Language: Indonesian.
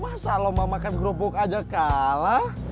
masa lo mau makan kerupuk aja kalah